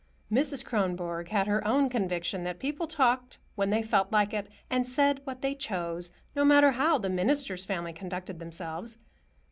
Mrs. Kronborg had her own conviction that people talked when they felt like it, and said what they chose, no matter how the minister's family conducted themselves.